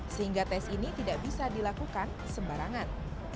sehingga tes ini tidak bisa dilakukan sembarangan